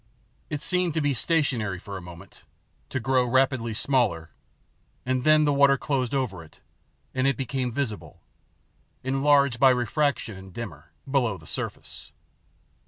It seemed to be stationary for a moment, to grow rapidly smaller, and then the water closed over it, and it became visible, enlarged by refraction and dimmer, below the surface.